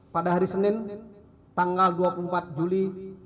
pada hari senin tanggal dua puluh empat juli dua ribu dua puluh